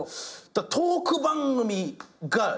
トーク番組が理想。